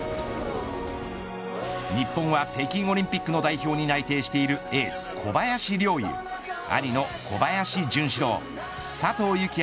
日本は北京オリンピックの代表に内定しているエース小林陵侑、兄の小林潤志郎佐藤幸